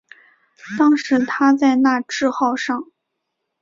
当时他在那智号上。